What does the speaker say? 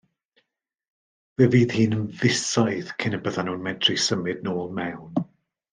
Fe fydd hi'n fisoedd cyn y byddan nhw'n medru symud nôl mewn.